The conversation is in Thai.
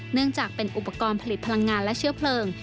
เนื่องจากเป็นอุปกรณ์ผลิตพลังงานและเชื้อเพลิง